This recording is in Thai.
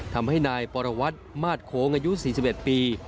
ทำให้นายปรวัตรมาสโค้งอายุ๔๑ปี